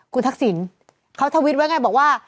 คุณทักษิณเขาทวิตไว้ไงบอกว่า